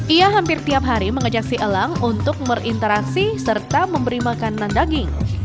ia hampir tiap hari mengajak si elang untuk berinteraksi serta memberi makanan daging